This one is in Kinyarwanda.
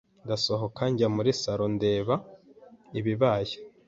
ndasohoka njya muri salon ndeba ibibaye